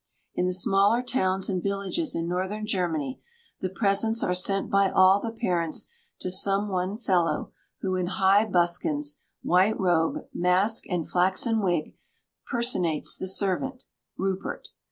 In the smaller towns and villages in northern Germany, the presents are sent by all the parents to some one fellow who, in high buskins, white robe, mask, and flaxen wig, personates the servant, Rupert.